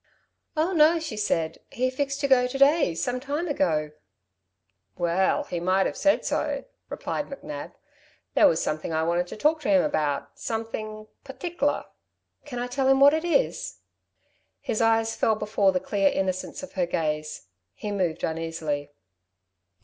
"Oh, no," she said, "he'd fixed to go to day, sometime ago." "Well, he might 've said so," replied McNab. "There was something I wanted to talk to him about, something partic'lar." "Can I tell him what it is?" His eyes fell before the clear innocence of her gaze. He moved uneasily.